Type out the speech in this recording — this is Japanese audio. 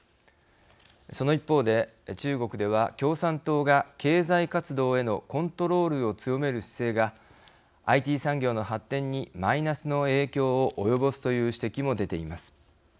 その一方で、中国では共産党が経済活動へのコントロールを強める姿勢がＩＴ産業の発展にマイナスの影響を及ぼすという指摘も出ています。